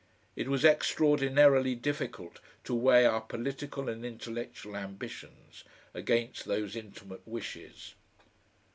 It was extraordinarily difficult to weigh our political and intellectual ambitions against those intimate wishes.